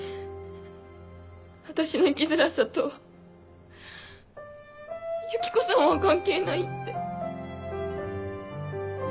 私の生きづらさとユキコさんは関係ないって。